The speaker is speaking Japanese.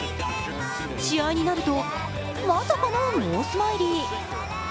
試合になるとまさかのノースマイリー。